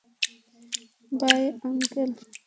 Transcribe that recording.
By, uncle.